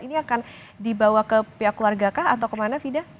ini akan dibawa ke pihak keluarga kah atau kemana fida